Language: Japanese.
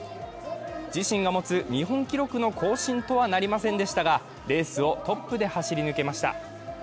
自身が持つ日本記録の更新とはなりませんでしたが、レースをトップで走り抜けました。